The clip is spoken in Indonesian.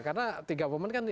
karena di government kan